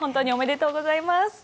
おめでとうございます。